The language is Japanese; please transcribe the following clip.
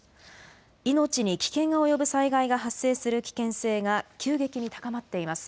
命に危険が及ぶ災害が発生する危険性が急激に高まっています。